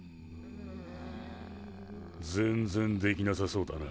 全然できなさそうだな。